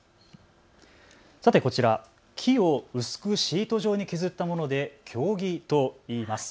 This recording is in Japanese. さてこちら、木を薄くシート状に削ったもので経木といいます。